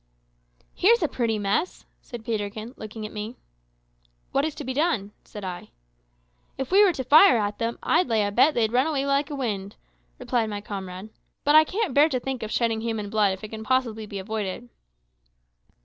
"Here's a pretty mess," said Peterkin, looking at me. "What is to be done?" said I. "If we were to fire at them, I'd lay a bet they'd run away like the wind," replied my comrade; "but I can't bear to think of shedding human blood if it can possibly be avoided."